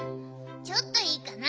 ちょっといいかな？